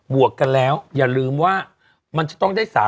วกกันแล้วอย่าลืมว่ามันจะต้องได้๓๐